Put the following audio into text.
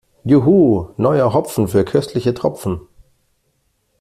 Juhu, neuer Hopfen für köstliche Tropfen!